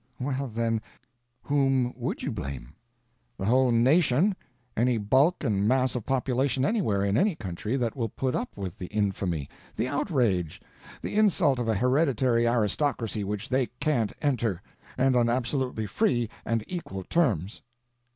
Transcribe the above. "Well, then, whom would you blame?" "The whole nation—any bulk and mass of population anywhere, in any country, that will put up with the infamy, the outrage, the insult of a hereditary aristocracy which they can't enter—and on absolutely free and equal terms."